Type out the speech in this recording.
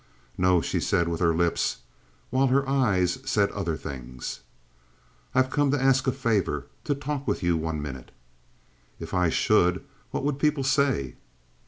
"No," she said with her lips, while her eyes said other things. "I've come to ask a favor: to talk with you one minute." "If I should what would people say?"